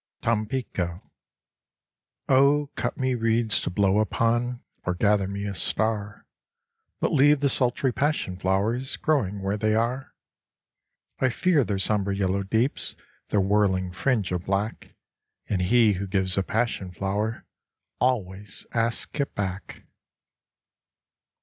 Tampico Oh, cut me reeds to blow upon Or gather me a star, But leave the sultry passion flowers Growing where they are. I fear their somber yellow deeps, Their whirling fringe of black, And he who gives a passion flower Always asks it back.